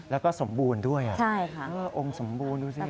แล้วก็สมบูรณ์ด้วยอ่ะองค์สมบูรณ์ดูสิค่ะใช่ค่ะ